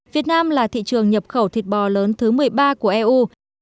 việt nam là thị trường nhập khẩu thịt bò lớn thứ một mươi ba của eu